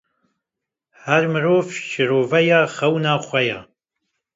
Her mirov şîroveyê xewna xwe ye.